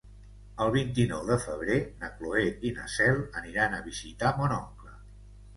El vint-i-nou de febrer na Cloè i na Cel aniran a visitar mon oncle.